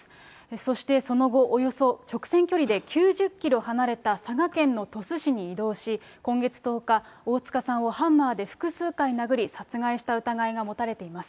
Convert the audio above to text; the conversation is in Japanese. そしてその後、およそ直線距離で９０キロ離れた佐賀県の鳥栖市に移動し、今月１０日、大塚さんをハンマーで複数回殴り、殺害した疑いが持たれています。